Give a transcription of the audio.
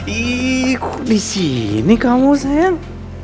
ih kok disini kamu sayang